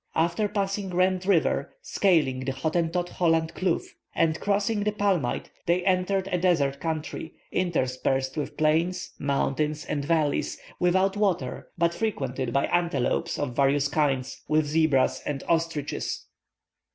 After passing Rent River, scaling the Hottentot Holland Kloof, and crossing the Palmite, they entered a desert country, interspersed with plains, mountains, and valleys, without water, but frequented by antelopes of various kinds, with zebras and ostriches.